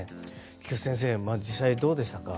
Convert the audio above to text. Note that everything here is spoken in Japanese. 菊地先生、実際どうでしたか。